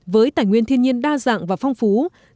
với tài nguyên thiên nhiên đa dạng và phong phú